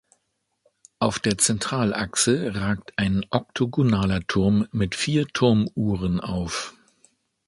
Auf der Zentralachse ragt ein oktogonaler Turm mit vier Turmuhren auf.